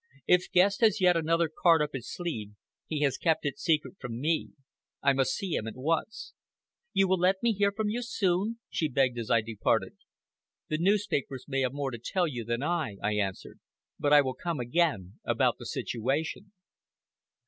If Guest has yet another card up his sleeve, he has kept it secret from me. I must see him at once." "You will let me hear from you soon?" she begged as I departed. "The newspapers may have more to tell you than I," I answered. "But I will come again about the situation!"